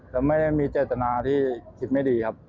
แล้วไม่ได้มีเจตนาที่คิดไม่ดีครับ